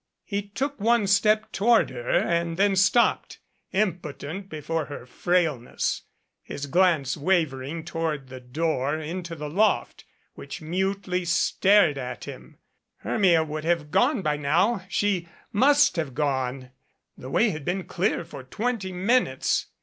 He took one step toward her and then stopped, impotent before her frailness, his glance wavering toward the door into the loft which mutely stared at him. Her mia would be gone by now she must have gone. The way had been clear for twenty minutes.